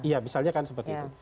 iya misalnya kan seperti itu